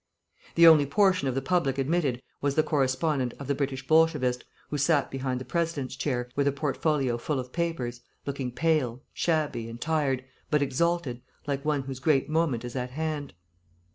The only portion of the public admitted was the correspondent of the British Bolshevist, who sat behind the President's chair with a portfolio full of papers, looking pale, shabby, and tired, but exalted, like one whose great moment is at hand.